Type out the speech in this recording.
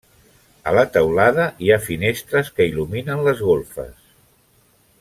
A la teulada hi ha finestres que il·luminen les golfes.